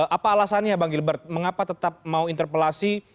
apa alasannya bang gilbert mengapa tetap mau interpelasi